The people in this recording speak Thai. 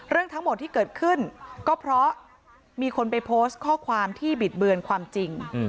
เรื่องทั้งหมดที่เกิดขึ้นก็เพราะมีคนไปโพสต์ข้อความที่บิดเบือนความจริง